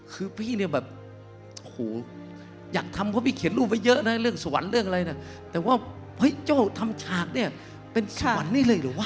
คือพี่เนี่ยแบบโอ้โหอยากทำเพราะพี่เขียนรูปไว้เยอะนะเรื่องสวรรค์เรื่องอะไรนะแต่ว่าเฮ้ยเจ้าทำฉากเนี่ยเป็นสวรรค์นี่เลยเหรอวะ